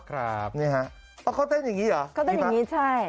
ครับนี่ฮะเขาเต้นอย่างนี้เหรอเขาเต้นอย่างนี้ใช่